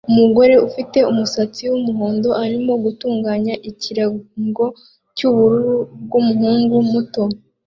Umugore ufite umusatsi wumuhondo arimo gutunganya ikirango cyubururu bwumuhungu muto